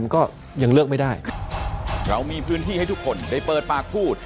ก็ยังเลิกไม่ได้เรามีพื้นที่ให้ทุกคนได้เปิดปากพูด